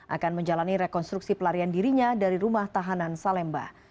akan menjalani rekonstruksi pelarian dirinya dari rumah tahanan salemba